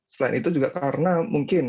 selain itu juga karena mungkin